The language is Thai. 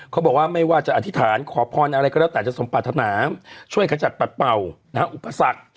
เขาบอกว่าไม่ว่าจะอธิษฐานขอพรอะไรก็แล้วแต่จะสมปรารถนาช่วยขจัดปัดเป่าอุปสรรค